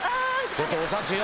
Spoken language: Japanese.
ちょっとお幸よ。